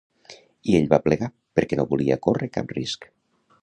I ell va plegar perquè no volia córrer cap risc.